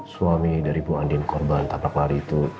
suami dari bu andien korban tabrak lari itu